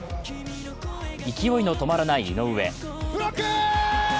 勢いの止まらない井上。